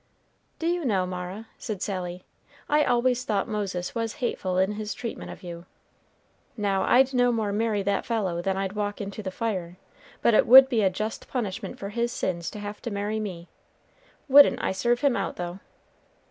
"Do you know, Mara," said Sally, "I always thought Moses was hateful in his treatment of you? Now I'd no more marry that fellow than I'd walk into the fire; but it would be a just punishment for his sins to have to marry me! Wouldn't I serve him out, though!"